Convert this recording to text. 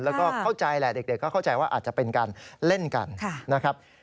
แล้วก็เข้าใจแหละเด็กก็เข้าใจว่าอาจจะเป็นการเล่นกันนะครับ